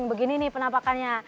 begini nih penampakannya